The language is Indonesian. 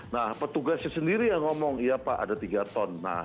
nah petugasnya sendiri yang ngomong iya pak ada tiga ton